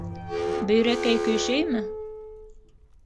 Бөйрәкәй көйшәйме?